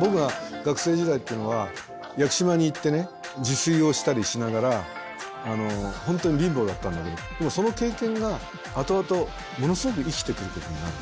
僕は学生時代っていうのは屋久島に行って自炊をしたりしながら本当に貧乏だったんだけどでもその経験が後々ものすごく生きてくることになる。